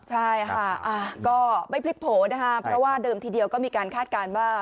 ใช่ค่ะก็ไม่พลิกโผล่นะคะเพราะว่าเดิมทีเดียวก็มีการคาดการณ์ว่า